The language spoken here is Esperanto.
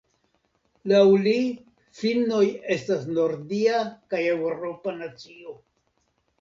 Laŭ li finnoj estas nordia kaj eŭropa nacio.